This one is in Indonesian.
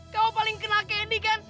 kamu paling kenal candy kan